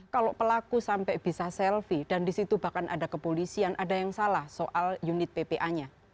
kalau pelaku sampai bisa selfie dan disitu bahkan ada kepolisian ada yang salah soal unit ppa nya